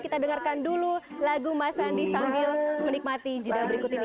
kita dengarkan dulu lagu mas andi sambil menikmati jeda berikut ini